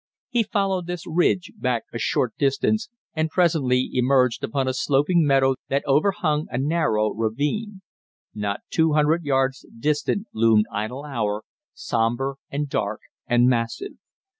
He followed this ridge back a short distance and presently emerged upon a sloping meadow that overhung a narrow ravine. Not two hundred yards distant loomed Idle Hour, somber and dark and massive.